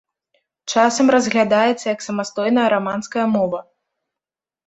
Часам разглядаецца як самастойная раманская мова.